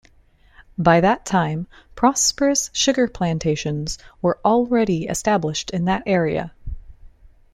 By that time, prosperous sugar plantations were already established in that area.